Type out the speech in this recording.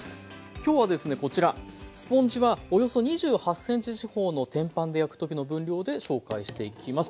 今日はですねこちらスポンジはおよそ２８ｃｍ四方の天板で焼くときの分量で紹介していきます。